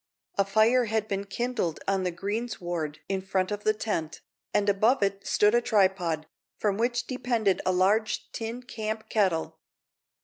A fire had been kindled on the greensward in front of the tent, and above it stood a tripod, from which depended a large tin camp kettle.